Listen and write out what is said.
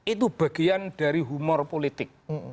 itu bagian dari humor politik